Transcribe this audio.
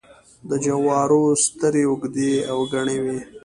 د جوارو سترۍ اوږدې او گڼې وي.